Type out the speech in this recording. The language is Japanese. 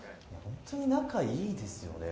本当に仲いいですよね。